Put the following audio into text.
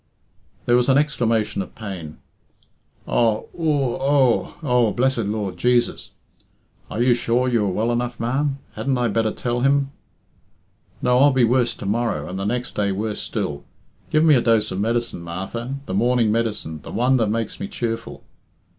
There was an exclamation of pain. "Oh! Ugh Oo! Oh, blessed Lord Jesus!" "Are you sure you are well enough, ma'am? Hadn't I better tell him " "No, I'll be worse to morrow, and the next day worse still. Give me a dose of medicine, Martha the morning medicine the one that makes me cheerful.